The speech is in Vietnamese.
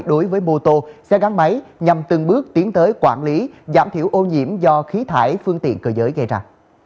đối với mô tô xe gắn máy nhằm từng bước tiến tới quản lý giảm thiểu ô nhiễm do khí thải phương tiện cơ giới gây ra